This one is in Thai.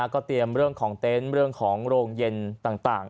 ก็เตรียมเรื่องของเต็นต์เรื่องของโรงเย็นต่าง